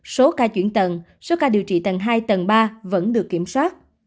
số ca chuyển tần số ca điều trị tầng hai tầng ba vẫn được kiểm soát